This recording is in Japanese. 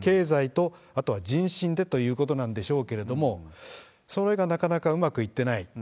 経済と、あとは人心でということなんでしょうけれども、それがなかなかうまくいってない。